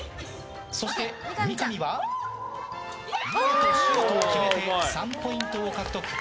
そして三上は見事シュートを決めて３ポイントを獲得。